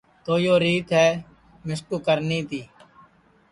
تو یو ریت ہے مِسکُو کرنی تی